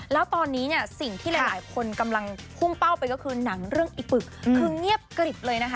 แล้วตอนนี้เนี่ยสิ่งที่หลายคนกำลังพุ่งเป้าไปก็คือหนังเรื่องอีปึกคือเงียบกริบเลยนะคะ